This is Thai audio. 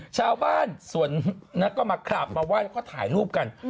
ชาวบ้านส่วนนักก็มากราบมาไหว้แล้วก็ถ่ายรูปกัน